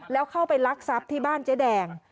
แล้วเข้าไปลักทรัพย์ที่บ้านเจ๊แดง